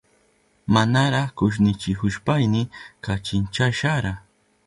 Manara kushnichihushpayni kachinchashara.